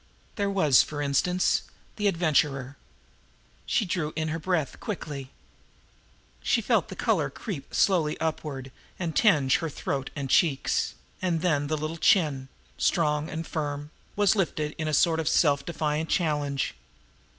There was, for instance the Adventurer. She drew in her breath quickly. She felt the color creep slowly upward, and tinge her throat and cheeks and then the little chin, strong and firm, was lifted in a sort of self defiant challenge.